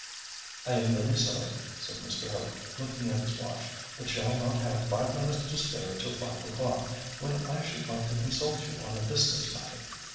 "I am really sorry," said Mr. Hope, looking at his watch, "but shall not have five minutes to spare till five o'clock, when I should like to consult you on a business matter.